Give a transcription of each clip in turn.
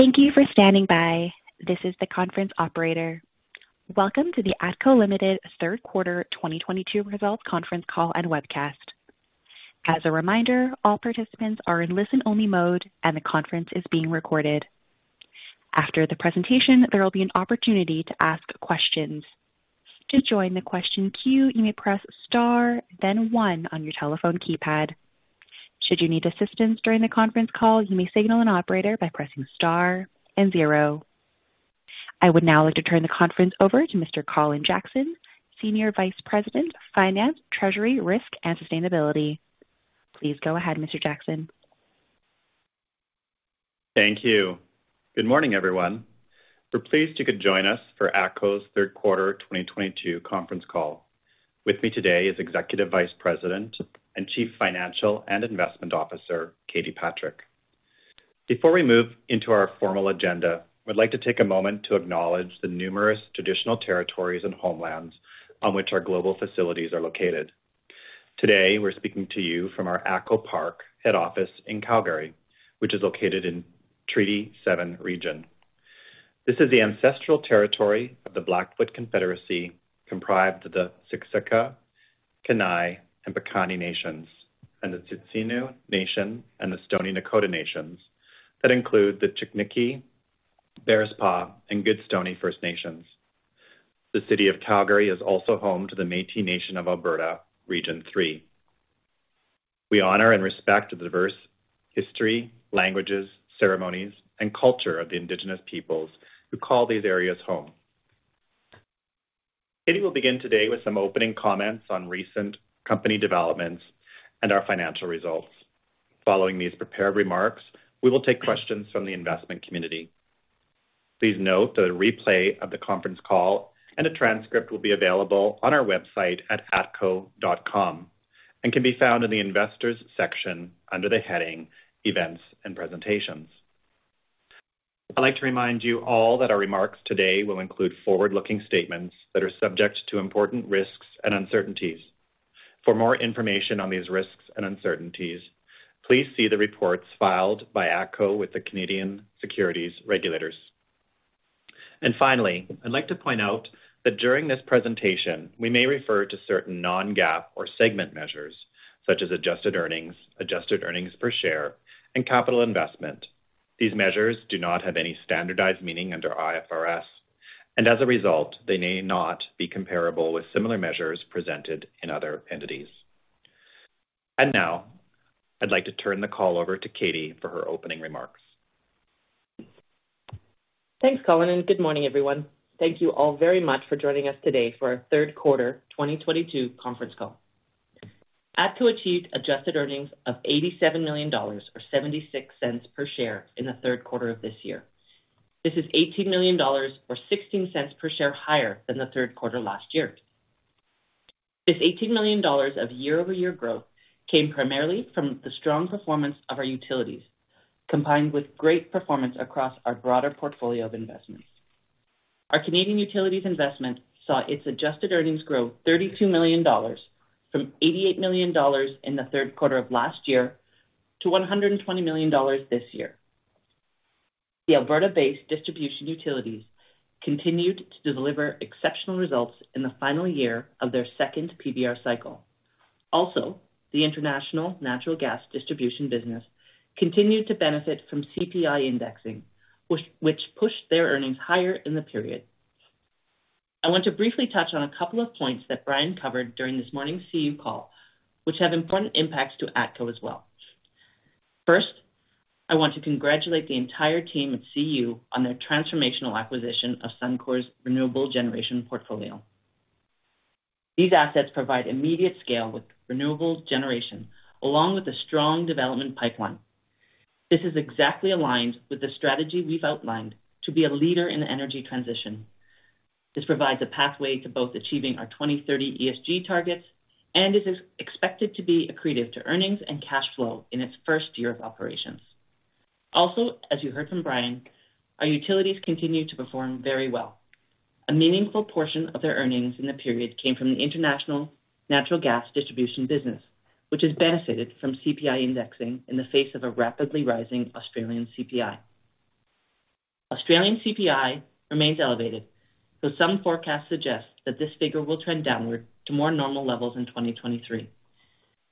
Thank you for standing by. This is the conference operator. Welcome to the ATCO Ltd. Third Quarter 2022 Results Conference Call and Webcast. As a reminder, all participants are in listen-only mode, and the conference is being recorded. After the presentation, there will be an opportunity to ask questions. To join the question queue, you may press star then one on your telephone keypad. Should you need assistance during the conference call, you may signal an operator by pressing star and zero. I would now like to turn the conference over to Mr. Colin Jackson, Senior Vice President, Finance, Treasury, Risk and Sustainability. Please go ahead, Mr. Jackson. Thank you. Good morning, everyone. We're pleased you could join us for ATCO's third quarter 2022 conference call. With me today is Executive Vice President and Chief Financial and Investment Officer, Katie Patrick. Before we move into our formal agenda, I'd like to take a moment to acknowledge the numerous traditional territories and homelands on which our global facilities are located. Today, we're speaking to you from our ATCO Park head office in Calgary, which is located in Treaty Seven region. This is the ancestral territory of the Blackfoot Confederacy, comprised of the Siksika, Kainai, and Piikani First Nations, and the Tsuut'ina Nation and the Stoney Nakoda Nations that include the Chiniki, Bearspaw, and Goodstoney First Nations. The city of Calgary is also home to the Métis Nation of Alberta, Region Three. We honor and respect the diverse history, languages, ceremonies, and culture of the indigenous peoples who call these areas home. Katie will begin today with some opening comments on recent company developments and our financial results. Following these prepared remarks, we will take questions from the investment community. Please note that a replay of the conference call and a transcript will be available on our website at atco.com and can be found in the investors section under the heading Events and Presentations. I'd like to remind you all that our remarks today will include forward-looking statements that are subject to important risks and uncertainties. For more information on these risks and uncertainties, please see the reports filed by ATCO with the Canadian Securities Administrators. Finally, I'd like to point out that during this presentation, we may refer to certain non-GAAP or segment measures such as adjusted earnings, adjusted earnings per share, and capital investment. These measures do not have any standardized meaning under IFRS, and as a result, they may not be comparable with similar measures presented in other entities. Now I'd like to turn the call over to Katie for her opening remarks. Thanks, Colin, and good morning, everyone. Thank you all very much for joining us today for our third quarter 2022 conference call. ATCO achieved adjusted earnings of 87 million dollars or 0.76 per share in the third quarter of this year. This is 18 million dollars or 0.16 per share higher than the third quarter last year. This 18 million dollars of year-over-year growth came primarily from the strong performance of our utilities, combined with great performance across our broader portfolio of investments. Our Canadian utilities investment saw its adjusted earnings grow 32 million dollars from 88 million dollars in the third quarter of last year to 120 million dollars this year. The Alberta-based distribution utilities continued to deliver exceptional results in the final year of their second PBR cycle. Also, the international natural gas distribution business continued to benefit from CPI indexing, which pushed their earnings higher in the period. I want to briefly touch on a couple of points that Brian covered during this morning's CU call, which have important impacts to ATCO as well. First, I want to congratulate the entire team at CU on their transformational acquisition of Suncor's renewable generation portfolio. These assets provide immediate scale with renewable generation along with a strong development pipeline. This is exactly aligned with the strategy we've outlined to be a leader in energy transition. This provides a pathway to both achieving our 2030 ESG targets and is expected to be accretive to earnings and cash flow in its first year of operations. Also, as you heard from Brian, our utilities continue to perform very well. A meaningful portion of their earnings in the period came from the international natural gas distribution business, which has benefited from CPI indexing in the face of a rapidly rising Australian CPI. Australian CPI remains elevated, though some forecasts suggest that this figure will trend downward to more normal levels in 2023.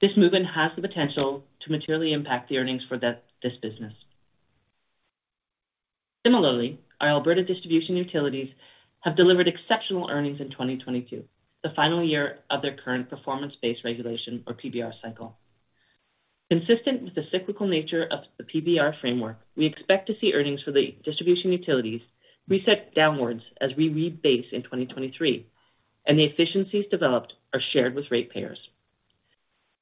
This movement has the potential to materially impact the earnings for this business. Similarly, our Alberta Distribution Utilities have delivered exceptional earnings in 2022, the final year of their current performance-based regulation or PBR cycle. Consistent with the cyclical nature of the PBR framework, we expect to see earnings for the distribution utilities reset downwards as we rebase in 2023, and the efficiencies developed are shared with ratepayers.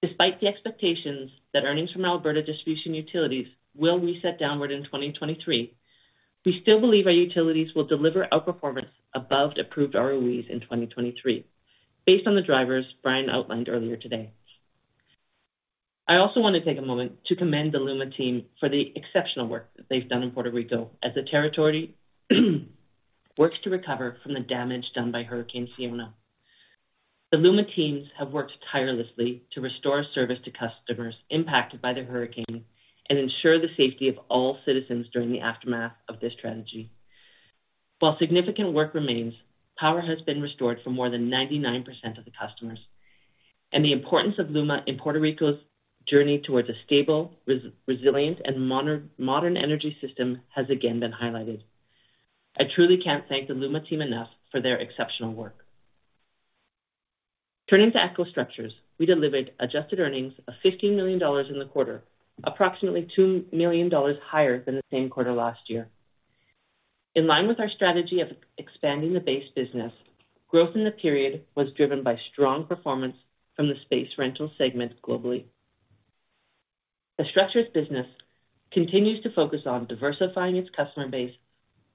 Despite the expectations that earnings from Alberta Distribution Utilities will reset downward in 2023, we still believe our utilities will deliver outperformance above the approved ROEs in 2023, based on the drivers Brian outlined earlier today. I also want to take a moment to commend the LUMA team for the exceptional work that they've done in Puerto Rico as the territory works to recover from the damage done by Hurricane Fiona. The LUMA teams have worked tirelessly to restore service to customers impacted by the hurricane and ensure the safety of all citizens during the aftermath of this tragedy. While significant work remains, power has been restored for more than 99% of the customers, and the importance of LUMA in Puerto Rico's journey towards a stable, resilient, and modern energy system has again been highlighted. I truly can't thank the LUMA team enough for their exceptional work. Turning to ATCO Structures, we delivered adjusted earnings of 15 million dollars in the quarter, approximately 2 million dollars higher than the same quarter last year. In line with our strategy of expanding the base business, growth in the period was driven by strong performance from the space rental segment globally. The structures business continues to focus on diversifying its customer base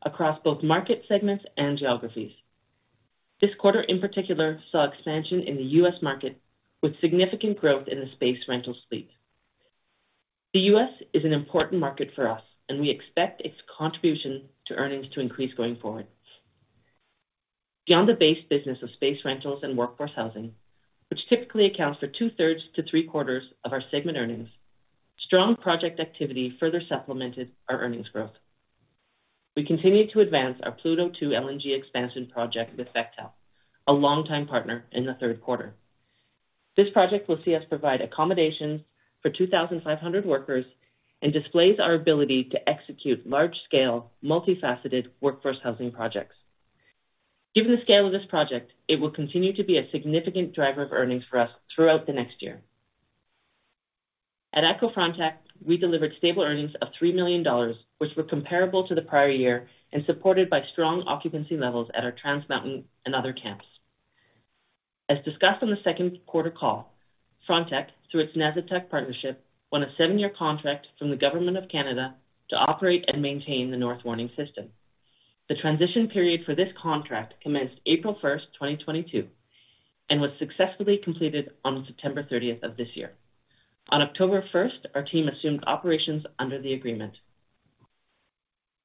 across both market segments and geographies. This quarter in particular, saw expansion in the U.S. market with significant growth in the space rental suite. The U.S. is an important market for us, and we expect its contribution to earnings to increase going forward. Beyond the base business of space rentals and workforce housing, which typically accounts for two-thirds to three-quarters of our segment earnings, strong project activity further supplemented our earnings growth. We continued to advance our Pluto Train 2 LNG expansion project with Bechtel, a longtime partner, in the third quarter. This project will see us provide accommodations for 2,500 workers and displays our ability to execute large-scale, multifaceted workforce housing projects. Given the scale of this project, it will continue to be a significant driver of earnings for us throughout the next year. At ATCO Frontec, we delivered stable earnings of 3 million dollars, which were comparable to the prior year and supported by strong occupancy levels at our Trans Mountain and other camps. As discussed on the second quarter call, Frontec, through its Nasittuq partnership, won a seven-year contract from the government of Canada to operate and maintain the North Warning System. The transition period for this contract commenced April 1, 2022, and was successfully completed on September 30 of this year. On October first, our team assumed operations under the agreement.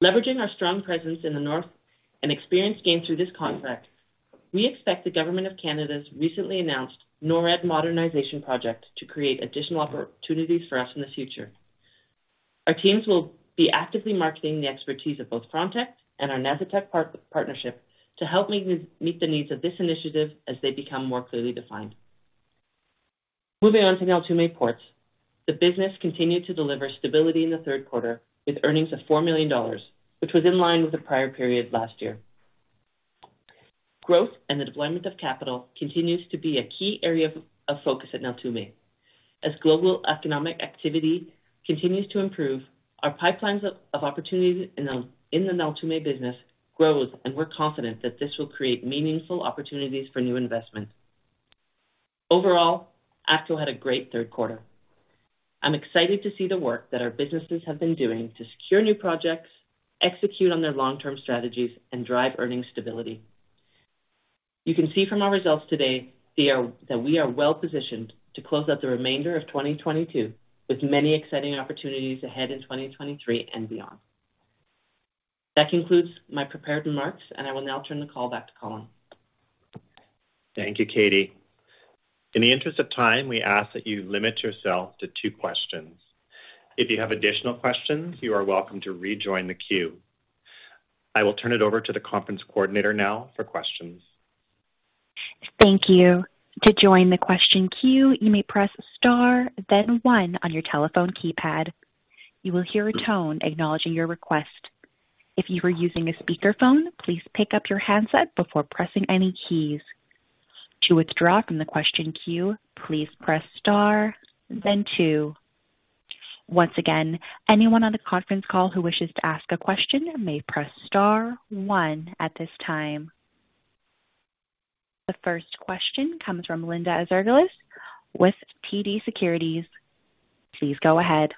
Leveraging our strong presence in the North and experience gained through this contract, we expect the government of Canada's recently announced NORAD modernization project to create additional opportunities for us in the future. Our teams will be actively marketing the expertise of both Frontec and our Nasittuq partnership to help meet the needs of this initiative as they become more clearly defined. Moving on to Neltume Ports, the business continued to deliver stability in the third quarter with earnings of 4 million dollars, which was in line with the prior period last year. Growth and the deployment of capital continues to be a key area of focus at Neltume. As global economic activity continues to improve, our pipelines of opportunities in the Neltume business grows, and we're confident that this will create meaningful opportunities for new investment. Overall, ATCO had a great third quarter. I'm excited to see the work that our businesses have been doing to secure new projects, execute on their long-term strategies, and drive earnings stability. You can see from our results today that we are well-positioned to close out the remainder of 2022 with many exciting opportunities ahead in 2023 and beyond. That concludes my prepared remarks, and I will now turn the call back to Colin. Thank you, Katie. In the interest of time, we ask that you limit yourself to two questions. If you have additional questions, you are welcome to rejoin the queue. I will turn it over to the conference coordinator now for questions. Thank you. To join the question queue, you may press star then one on your telephone keypad. You will hear a tone acknowledging your request. If you are using a speakerphone, please pick up your handset before pressing any keys. To withdraw from the question queue, please press star then two. Once again, anyone on the conference call who wishes to ask a question may press star one at this time. The first question comes from Linda Ezergailis with TD Securities. Please go ahead.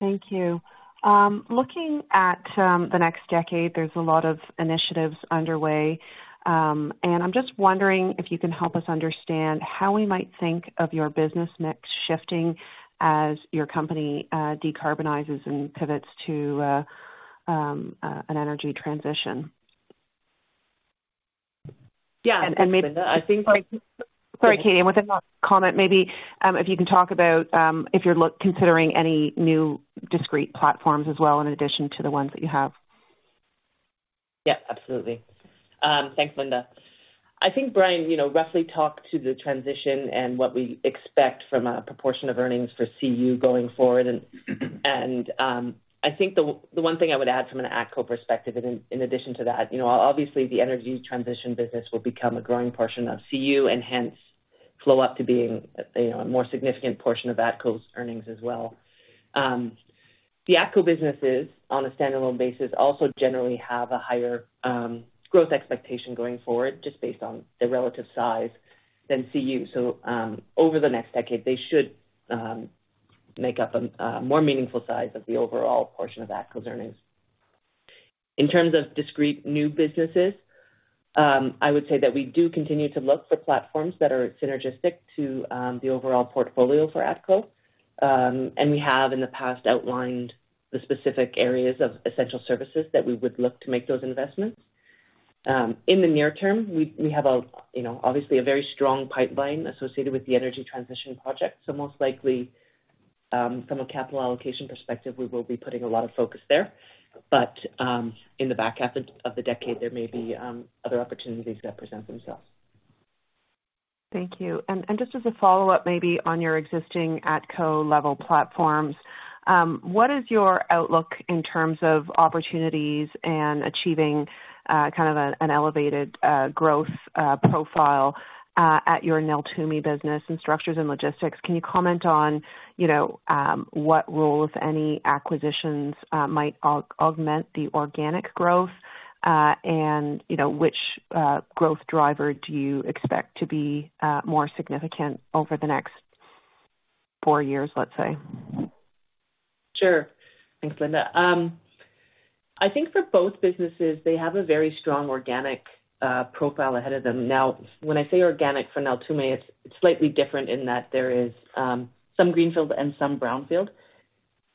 Thank you. Looking at the next decade, there's a lot of initiatives underway. I'm just wondering if you can help us understand how we might think of your business mix shifting as your company decarbonizes and pivots to an energy transition. Yeah. Sorry, Katie, with that last comment, maybe if you can talk about if you're considering any new discrete platforms as well in addition to the ones that you have. Yeah, absolutely. Thanks, Linda. I think Brian, you know, roughly talked to the transition and what we expect from a proportion of earnings for CU going forward. I think the one thing I would add from an ATCO perspective in addition to that, you know, obviously the energy transition business will become a growing portion of CU and hence flow up to being, you know, a more significant portion of ATCO's earnings as well. The ATCO businesses, on a standalone basis, also generally have a higher growth expectation going forward just based on their relative size than CU. Over the next decade, they should make up a more meaningful size of the overall portion of ATCO's earnings. In terms of discrete new businesses, I would say that we do continue to look for platforms that are synergistic to the overall portfolio for ATCO. We have in the past outlined the specific areas of essential services that we would look to make those investments. In the near term, we have, you know, obviously a very strong pipeline associated with the energy transition project. Most likely, from a capital allocation perspective, we will be putting a lot of focus there. In the back half of the decade, there may be other opportunities that present themselves. Thank you. Just as a follow-up, maybe on your existing ATCO level platforms, what is your outlook in terms of opportunities and achieving kind of an elevated growth profile at your Neltume business and Structures & Logistics? Can you comment on, you know, what roles any acquisitions might augment the organic growth? You know, which growth driver do you expect to be more significant over the next four years, let's say? Sure. Thanks, Linda. I think for both businesses, they have a very strong organic profile ahead of them. Now, when I say organic for Neltume, it's slightly different in that there is some greenfield and some brownfield.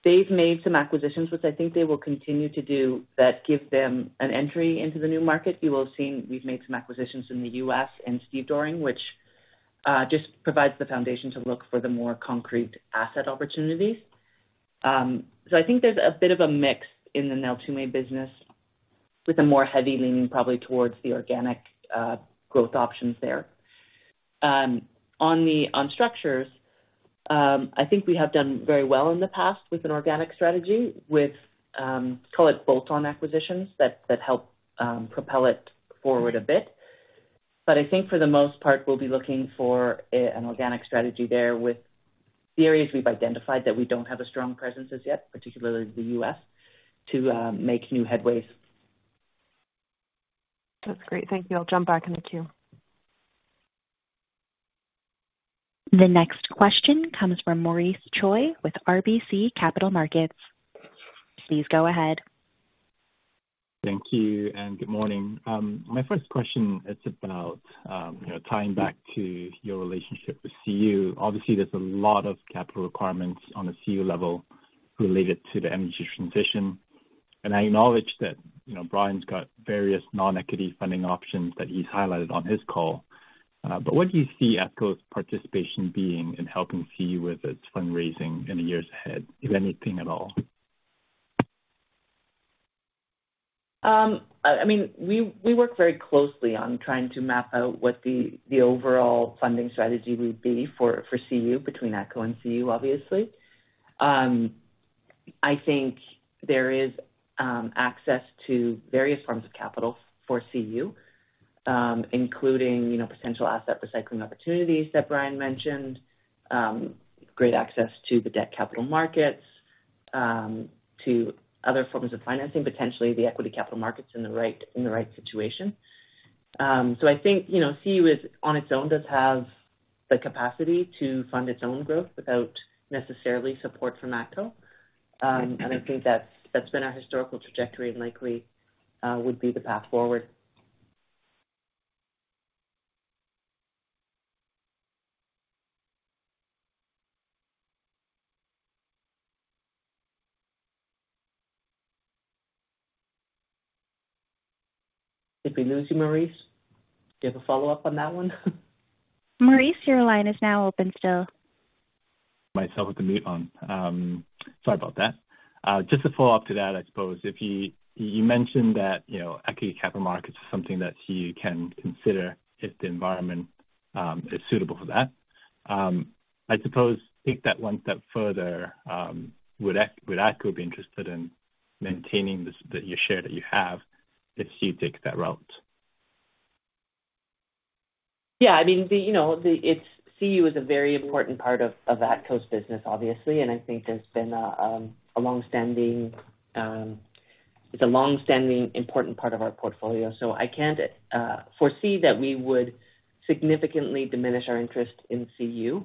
They've made some acquisitions, which I think they will continue to do, that give them an entry into the new market. You will have seen we've made some acquisitions in the US and stevedoring, which just provides the foundation to look for the more concrete asset opportunities. So I think there's a bit of a mix in the Neltume business with a more heavy leaning probably towards the organic growth options there. On structures, I think we have done very well in the past with an organic strategy, with call it bolt-on acquisitions that help propel it forward a bit. But I think for the most part, we'll be looking for an organic strategy there with the areas we've identified that we don't have a strong presence as yet, particularly the U.S., to make new headways. That's great. Thank you. I'll jump back in the queue. The next question comes from Maurice Choy with RBC Capital Markets. Please go ahead. Thank you and good morning. My first question is about, you know, tying back to your relationship with CU. Obviously, there's a lot of capital requirements on a CU level related to the energy transition. I acknowledge that, you know, Brian's got various non-equity funding options that he's highlighted on his call. What do you see ATCO's participation being in helping CU with its fundraising in the years ahead, if anything at all? I mean, we work very closely on trying to map out what the overall funding strategy would be for CU between ATCO and CU, obviously. I think there is access to various forms of capital for CU, including, you know, potential asset recycling opportunities that Brian mentioned, great access to the debt capital markets, to other forms of financing, potentially the equity capital markets in the right situation. I think, you know, CU is on its own, does have the capacity to fund its own growth without necessarily support from ATCO. I think that's been our historical trajectory and likely would be the path forward. Did we lose you, Maurice? Do you have a follow-up on that one? Maurice, your line is now open still. Just to follow up to that, I suppose you mentioned that, you know, equity capital markets is something that you can consider if the environment is suitable for that. I suppose take that one step further, would ATCO be interested in maintaining your share that you have if you take that route? Yeah. I mean, you know, CU is a very important part of ATCO's business, obviously, and I think it's been a long-standing important part of our portfolio. I can't foresee that we would significantly diminish our interest in CU.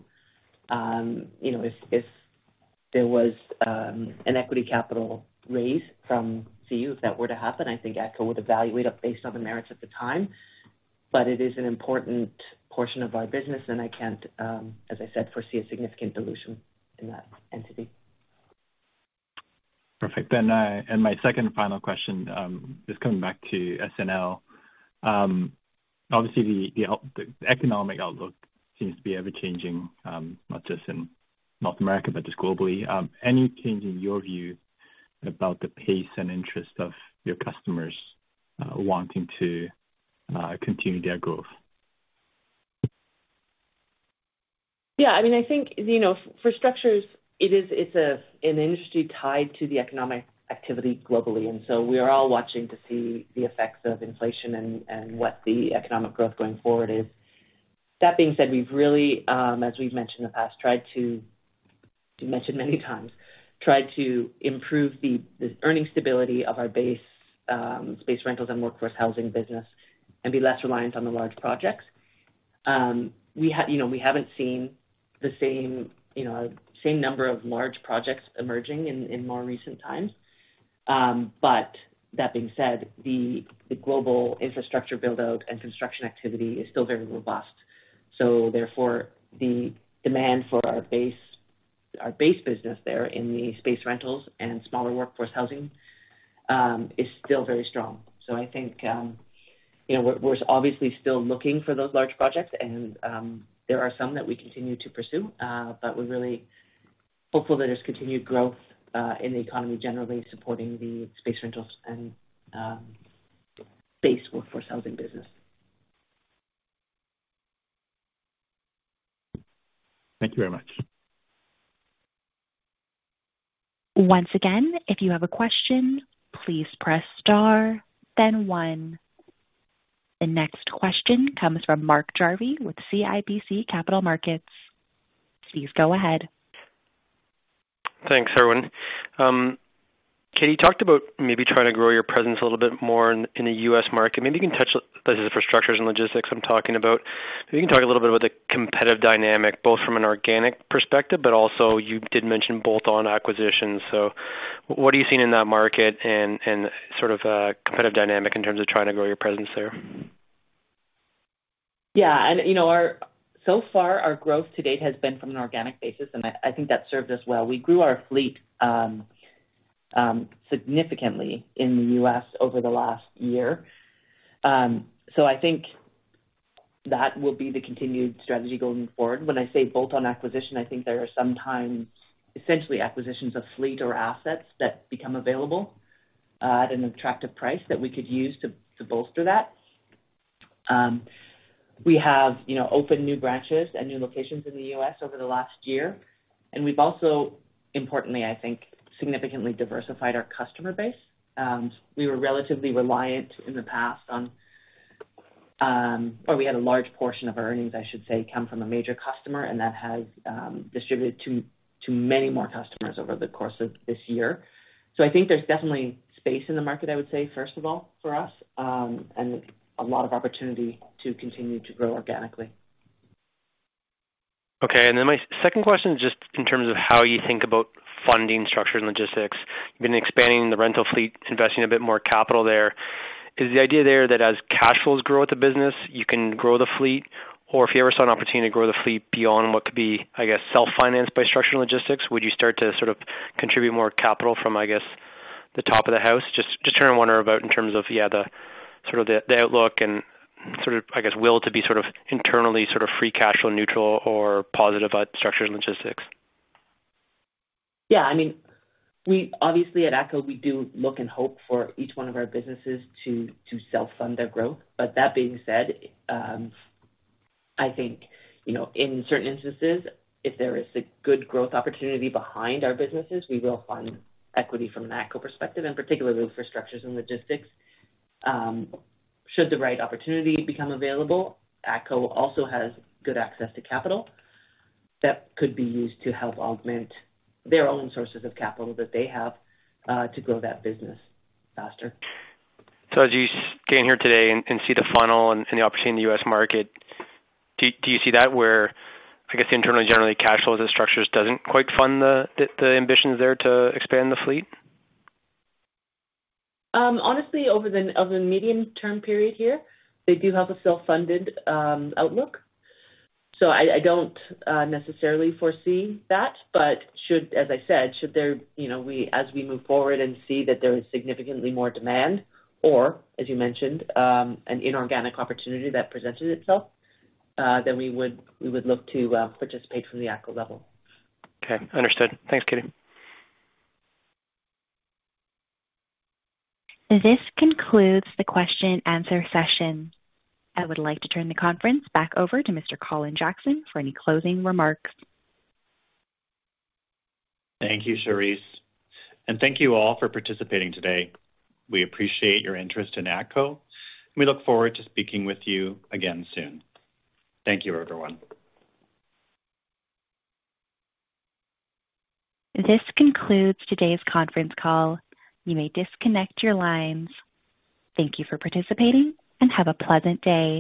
You know, if there was an equity capital raise from CU, if that were to happen, I think ATCO would evaluate it based on the merits at the time. It is an important portion of our business and I can't, as I said, foresee a significant dilution in that entity. Perfect. My second and final question is coming back to S&L. Obviously the economic outlook seems to be ever-changing, not just in North America, but just globally. Any change in your view about the pace and interest of your customers wanting to continue their growth? Yeah, I mean, I think, you know, for Structures, it's an industry tied to the economic activity globally, and we are all watching to see the effects of inflation and what the economic growth going forward is. That being said, we've really, as we've mentioned in the past, tried to, we've mentioned many times, tried to improve the earnings stability of our base space rentals and workforce housing business and be less reliant on the large projects. You know, we haven't seen the same number of large projects emerging in more recent times. That being said, the global infrastructure build-out and construction activity is still very robust. Therefore, the demand for our base business there in the space rentals and smaller workforce housing is still very strong. I think, you know, we're obviously still looking for those large projects and there are some that we continue to pursue. We're really hopeful that there's continued growth in the economy generally supporting the space rentals and base workforce housing business. Thank you very much. Once again, if you have a question, please press star then one. The next question comes from Mark Jarvi with CIBC Capital Markets. Please go ahead. Thanks, everyone. Katie, you talked about maybe trying to grow your presence a little bit more in the U.S. market. Maybe you can touch on Structures & Logistics I'm talking about. If you can talk a little bit about the competitive dynamic, both from an organic perspective, but also you did mention bolt-on acquisitions. What are you seeing in that market and sort of competitive dynamic in terms of trying to grow your presence there? You know our growth to date has been from an organic basis, and I think that served us well. We grew our fleet significantly in the US over the last year. I think that will be the continued strategy going forward. When I say bolt-on acquisition, I think there are sometimes essentially acquisitions of fleet or assets that become available at an attractive price that we could use to bolster that. We have, you know, opened new branches and new locations in the US over the last year. We've also, importantly, I think, significantly diversified our customer base. We were relatively reliant in the past on or we had a large portion of our earnings, I should say, come from a major customer, and that has distributed to many more customers over the course of this year. I think there's definitely space in the market, I would say, first of all, for us, and a lot of opportunity to continue to grow organically. Okay. My second question, just in terms of how you think about funding Structures & Logistics. You've been expanding the rental fleet, investing a bit more capital there. Is the idea there that as cash flows grow with the business, you can grow the fleet? Or if you ever saw an opportunity to grow the fleet beyond what could be, I guess, self-financed by Structures & Logistics, would you start to sort of contribute more capital from, I guess, the top of the house? Just trying to wonder about in terms of, yeah, the sort of outlook and sort of, I guess, willing to be sort of internally free cash flow neutral or positive about Structures & Logistics. Yeah. I mean, we obviously at ATCO, we do look and hope for each one of our businesses to self-fund their growth. That being said, I think, you know, in certain instances, if there is a good growth opportunity behind our businesses, we will fund equity from an ATCO perspective, and particularly Structures & Logistics. Should the right opportunity become available, ATCO also has good access to capital that could be used to help augment their own sources of capital that they have to grow that business faster. As you stand here today and see the funnel and the opportunity in the U.S. market, do you see that where, I guess internally, generally, cash flow as a structure doesn't quite fund the ambitions there to expand the fleet? Honestly, over the medium-term period here, they do have a self-funded outlook. I don't necessarily foresee that. As I said, should there, you know, as we move forward and see that there is significantly more demand or, as you mentioned, an inorganic opportunity that presented itself, then we would look to participate from the ATCO level. Okay. Understood. Thanks, Katie. This concludes the question-answer session. I would like to turn the conference back over to Mr. Colin Jackson for any closing remarks. Thank you, Charisse. Thank you all for participating today. We appreciate your interest in ATCO. We look forward to speaking with you again soon. Thank you, everyone. This concludes today's conference call. You may disconnect your lines. Thank you for participating, and have a pleasant day.